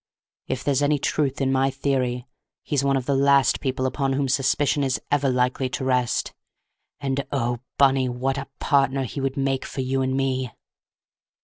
If there's any truth in my theory he's one of the last people upon whom suspicion is ever likely to rest; and oh, Bunny, what a partner he would make for you and me!"